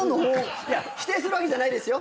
いや否定するわけじゃないですよ。